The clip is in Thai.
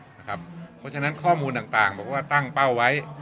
เพราะฉะนั้นข้อมูลต่างบอกว่าตั้งเป้าไว้